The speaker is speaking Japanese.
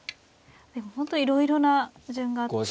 本当にいろいろな順があって。